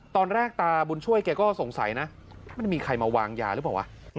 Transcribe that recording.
ตอนแรกตาบุญช่วยแกก็สงสัยนะมันมีใครมาวางยาหรือเปล่าวะ